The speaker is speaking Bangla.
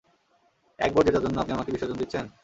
এক ভোট জেতার জন্য আপনি আমাকে বিসর্জন দিচ্ছেন?